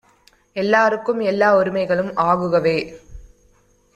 எல்லார்க்கும் எல்லா உரிமைகளும் ஆகுகவே!